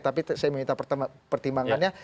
tapi saya mau minta pertimbangannya